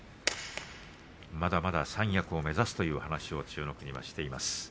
まだまだ三役を目指すという話を千代の国はしています。